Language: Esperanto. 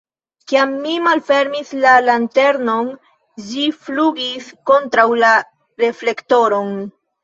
Kiam mi malfermis la lanternon, ĝi flugis kontraŭ la reflektoron.